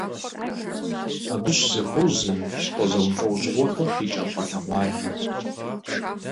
Абы щызэхуозэ щӏыпӏэ зэмылӏэужьыгъуэхэм къикӏа щӏалэгъуалэр.